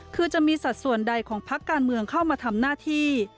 คือจะมีสัดส่วนใดของพักการเมืองเข้ามาทำหน้าที่